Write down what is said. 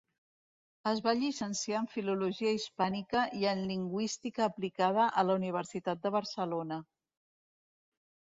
Es va llicenciar en filologia hispànica i en lingüística aplicada a la Universitat de Barcelona.